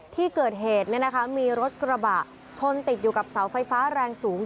ที่เกิดเหตุมีรถกระบะชนติดอยู่กับเสาไฟฟ้าแรงสูง